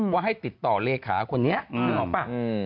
ว่าให้ติดต่อเลขาคนนี้นึกออกป่ะ